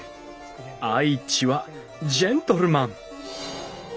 愛知はジェントルマン。